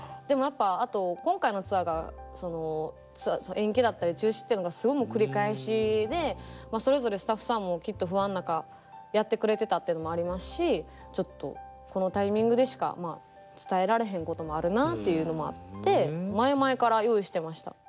でもやっぱあと今回のツアーが延期だったり中止っていうのがすごい繰り返しでまあそれぞれスタッフさんもきっと不安の中やってくれてたというのもありますしちょっとこのタイミングでしか伝えられへんこともあるなっていうのもあって前々から用意してました。